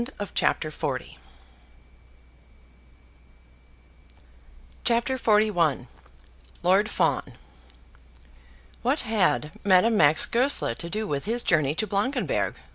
CHAPTER XLI Lord Fawn What had Madame Max Goesler to do with his journey to Blankenberg?